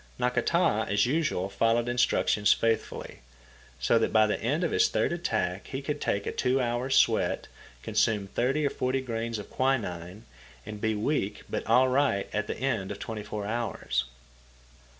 Nakata, as usual, followed instructions faithfully, so that by the end of his third attack he could take a two hours' sweat, consume thirty or forty grains of quinine, and be weak but all right at the end of twenty four hours.